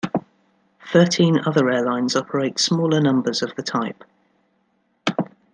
Thirteen other airlines operate smaller numbers of the type.